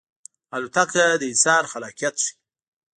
الوتکه د انسان خلاقیت ښيي.